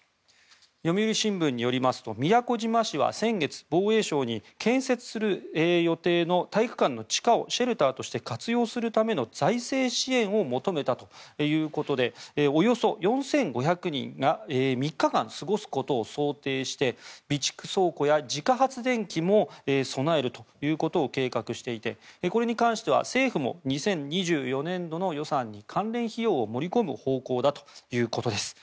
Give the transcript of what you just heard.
読売新聞によりますと宮古島市は先月、防衛省に建設する予定の体育館の地下をシェルターとして活用するための財政支援を求めたということでおよそ４５００人が３日間過ごすことを想定して備蓄倉庫や自家発電機も備えるということを計画していて、これに関しては政府も２０２４年度の予算に関連費用を盛り込む方向だということです。